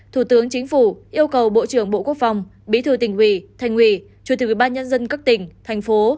thủ tướng chính phủ yêu cầu bộ trưởng bộ quốc phòng bí thư tỉnh hủy thành hủy chủ tịch bác nhân dân các tỉnh thành phố